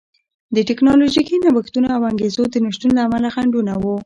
د ټکنالوژیکي نوښتونو او انګېزو د نشتون له امله خنډونه وو